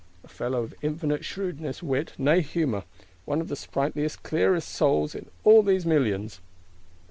A fellow of infinite shrewdness, wit, nay humour; one of the sprightliest clearest souls in all these millions.